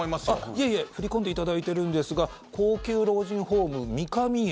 いえいえ振り込んでいただいてるんですが高級老人ホーム、三上園